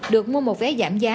được mua một vé giảm giá